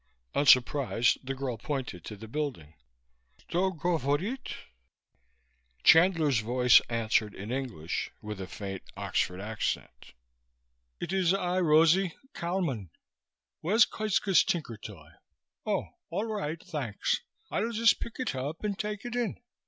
_" Unsurprised the girl pointed to the building. "Kto govorit?" Chandler's voice answered in English, with a faint Oxford accent: "It is I, Rosie, Kalman. Where's Koitska's tinkertoy? Oh, all right, thanks; I'll just pick it up and take it in.